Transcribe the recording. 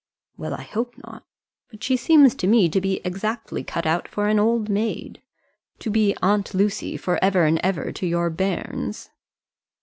"Well, I hope not. But she seems to me to be exactly cut out for an old maid; to be aunt Lucy for ever and ever to your bairns."